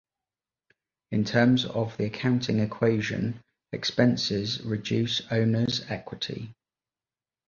In terms of the accounting equation, expenses reduce owners' equity.